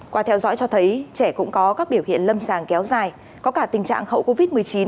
qua theo dõi cho thấy trẻ cũng có các biểu hiện lâm sàng kéo dài có cả tình trạng hậu covid một mươi chín